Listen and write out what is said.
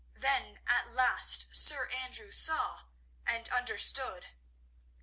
Then at last Sir Andrew saw and understood.